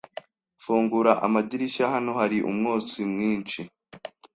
Fungura amadirishya Hano hari umwotsi mwinshi.